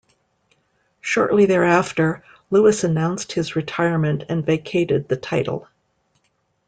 Shortly thereafter, Lewis announced his retirement and vacated the title.